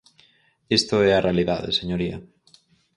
Isto é a realidade, señoría.